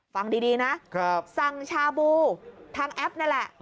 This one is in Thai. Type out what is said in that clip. ฟังดีนะสั่งชาบูทางแอปนั่นแหละ